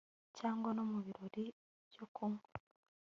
cyangwa no mubirori byo kunywa